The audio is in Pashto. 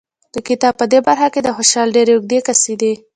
د کتاب په دې برخه کې د خوشحال ډېرې اوږې قصیدې